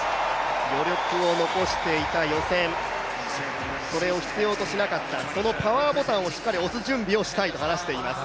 余力を残していた予選、それを必要としなかったそのパワーボタンをしっかり押す準備をしたいと話しています。